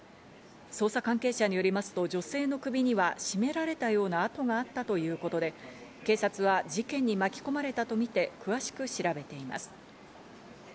捜査関係者によりますと、女性の首には絞められたような痕があったということで、警察は事件に巻き込まれたとみて詳しく調べています。